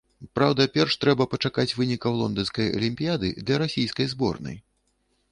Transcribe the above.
Праўда, перш трэба пачакаць вынікаў лонданскай алімпіяды для расійскай зборнай.